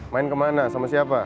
main kemana sama siapa